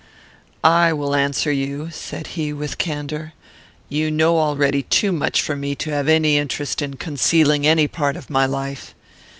"I will answer you," said he, with candour. "You know already too much for me to have any interest in concealing any part of my life.